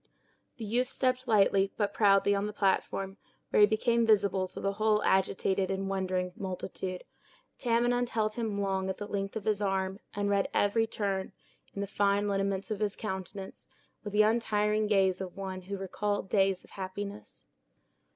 The youth stepped lightly, but proudly on the platform, where he became visible to the whole agitated and wondering multitude. Tamenund held him long at the length of his arm and read every turn in the fine lineaments of his countenance, with the untiring gaze of one who recalled days of happiness.